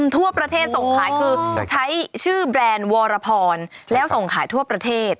ทั่วประเทศส่งขายคือใช้ชื่อแบรนด์วรพรแล้วส่งขายทั่วประเทศ